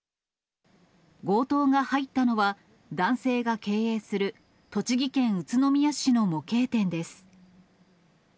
強盗が入ったのは、男性が経営する栃木県宇都宮市の模型店です。